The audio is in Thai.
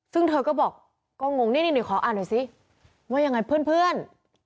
ซึ่งเธอก็บอกก็งงนี่ขออ่านหน่อยสิว่ายังไงเพื่อน